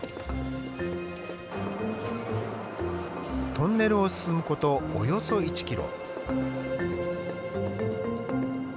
トンネルを進むことおよそ１キロ。